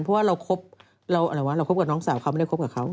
เพราะว่าเราคบกับน้องสาวเขาไม่ได้คบกับเขา